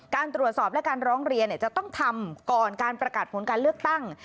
การตรวจสอบและการร้องเรียนจะต้องทำก่อนการประกาศผลการเลือกตั้ง